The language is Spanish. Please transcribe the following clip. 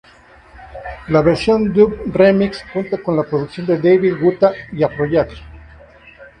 La versión "dub" "remix" cuenta con la producción de David Guetta y Afrojack.